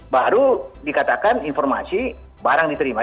baru dikatakan informasi barang diterima